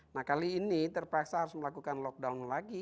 nah kali ini terpaksa harus melakukan lockdown lagi